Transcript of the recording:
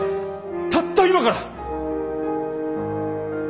たった今から。